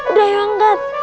udah ya anggat